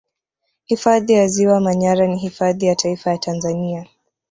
Hifadhi ya Ziwa Manyara ni hifadhi ya Taifa ya Tanzania